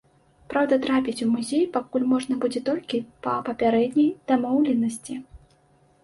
Праўда, трапіць у музей пакуль можна будзе толькі па папярэдняй дамоўленасці.